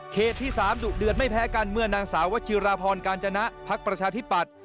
ที่๓ดุเดือดไม่แพ้กันเมื่อนางสาววัชิราพรกาญจนะพักประชาธิปัตย